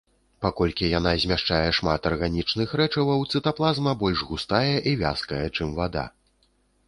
Паколькі яна змяшчае шмат арганічных рэчываў, цытаплазма больш густая і вязкая, чым вада.